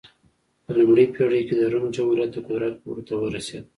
په لومړۍ پېړۍ کې د روم جمهوري د قدرت لوړو ته ورسېده.